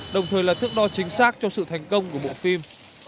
đồng thời là thước đo chính xác cho sự thành công của bộ phim